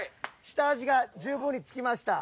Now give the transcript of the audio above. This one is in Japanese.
下味が十分に付きました。